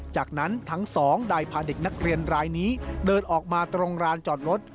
จากนั้นทั้งสองได้พาเด็กนักเรียนรายนี้เดินออกมาตรงร้านจอดรถ